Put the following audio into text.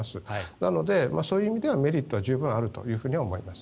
なので、そういう意味ではメリットは十分あると思います。